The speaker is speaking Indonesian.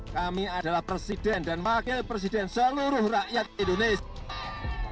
kami adalah presiden dan wakil presiden seluruh rakyat indonesia